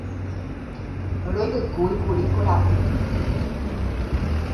Roipykúikuri korapy.